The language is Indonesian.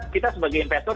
kita sebagai investor